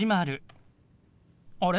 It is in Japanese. あれ？